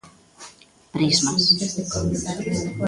Prismas.